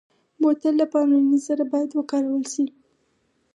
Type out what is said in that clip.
بوتل له پاملرنې سره باید وکارول شي.